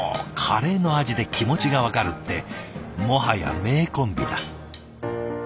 カレーの味で気持ちが分かるってもはや名コンビだ。